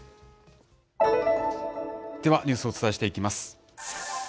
ではニュースをお伝えしていきます。